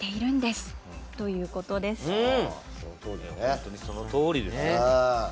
本当にそのとおりです。